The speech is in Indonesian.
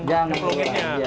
jangan duluan ya